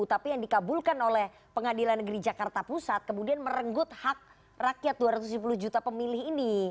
tapi yang dikabulkan oleh pengadilan negeri jakarta pusat kemudian merenggut hak rakyat dua ratus lima puluh juta pemilih ini